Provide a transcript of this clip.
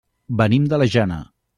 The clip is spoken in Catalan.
Venim de la Jana.